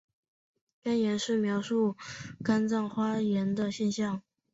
肝炎是描述肝脏发炎的现象。